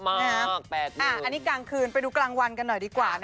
อันนี้กลางคืนไปดูกลางวันกันหน่อยดีกว่า